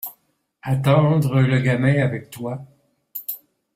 attendre le gamin avec toi